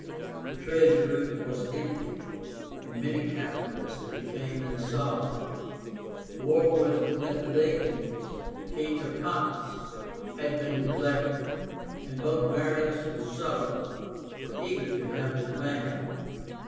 The treasury was empty, and many capitalists became insolvent. War with Mithradátes, King of Pontus, had been declared, and both Marius and Sulla were eager to have the command.